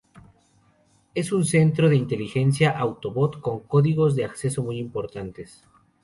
Es un centro de inteligencia Autobot, con códigos de acceso muy importantes.